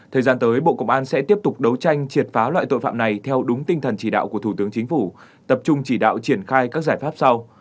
thời gian tới bộ công an sẽ tiếp tục đấu tranh triệt phá loại tội phạm này theo đúng tinh thần chỉ đạo của thủ tướng chính phủ tập trung chỉ đạo triển khai các giải pháp sau